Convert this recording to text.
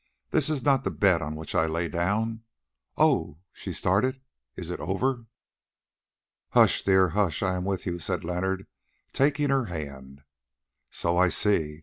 "This is not the bed on which I lay down. Oh!" she started, "is it over?" "Hush, dear, hush! I am with you," said Leonard, taking her hand. "So I see.